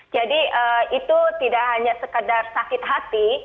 jadi itu tidak hanya sekedar sakit hati